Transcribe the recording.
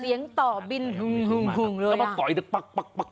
เสียงต่อบินฮึ่งเลยต่ออีกเดี๋ยวปั๊ก